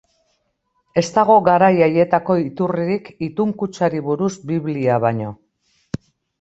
Ez dago garai haietako iturririk itun-kutxari buruz Biblia baino.